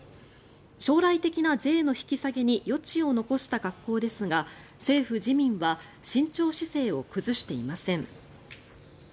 将来的な税の引き下げに余地を残した格好ですが政府・自民は慎重姿勢を崩していません。